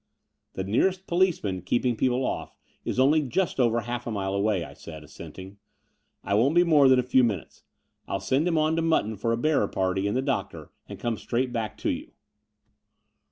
The nearest policeman keeping people off is only just over half a mile away," I said, assenting. I won't be more than a few minutes. I'll send him on to Mutton for a bearer party and the doc tor, and come straight back to you.